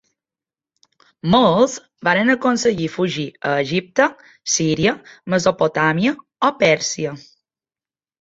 Molts van aconseguir fugir a Egipte, Síria, Mesopotàmia, o Pèrsia.